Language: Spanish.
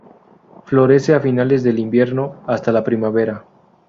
Florece a finales del invierno, hasta la primavera.